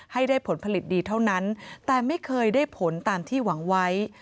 ให้ได้ผลผลิตดีเท่านั้นแต่ไม่เคยได้ผลตามที่หวังไว้